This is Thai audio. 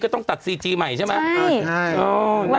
ก็ต้องตัดซีจีใหม่ใช่ไหมนังเชียดใช่